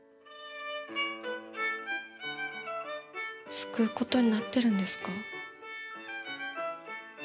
救う事になってるんですか？